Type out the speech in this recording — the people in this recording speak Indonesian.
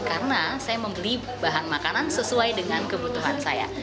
karena saya membeli bahan makanan sesuai dengan kebutuhan saya